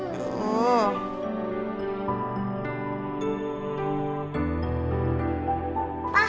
pa kok baju papa basah